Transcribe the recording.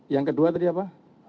yang kedua tadi apa